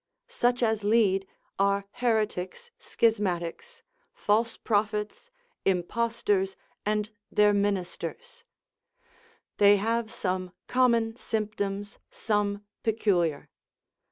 Such as lead are heretics, schismatics, false prophets, impostors, and their ministers: they have some common symptoms, some peculiar.